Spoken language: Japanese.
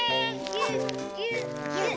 ぎゅっぎゅっぎゅっ。